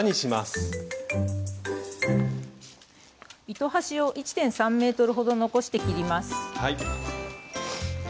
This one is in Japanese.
糸端を１．３ｍほど残して切ります。